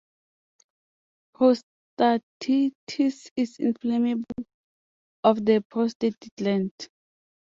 Prostatitis is inflammation of the prostate gland.